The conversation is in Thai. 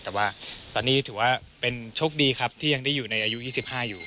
แต่ว่าตอนนี้ถือว่าเป็นโชคดีครับที่ยังได้อยู่ในอายุ๒๕อยู่